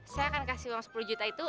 saya akan kasih uang sepuluh juta itu